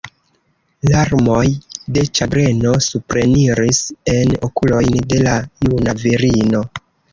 Larmoj de ĉagreno supreniris en okulojn de la juna virino.